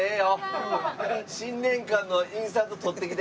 新年感のインサート撮ってきて。